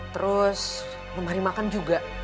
terus lemari makan juga